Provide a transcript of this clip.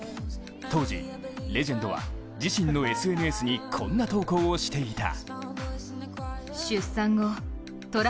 当時、レジェンドは自身のＳＮＳにこんな投稿をしていた。